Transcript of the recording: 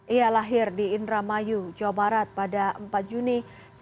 ia lahir di indramayu jawa barat pada empat juni seribu sembilan ratus enam puluh